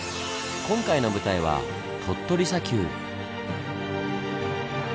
今回の舞台は鳥取砂丘。